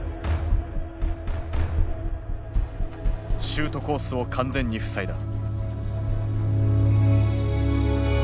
シュートコースを完全に塞いだ。